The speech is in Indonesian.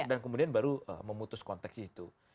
dan kemudian baru memutus konteks itu